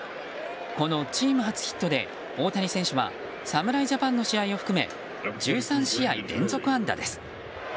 このチーム初ヒットで大谷選手は侍ジャパンの試合を含め１３試合連続安打です。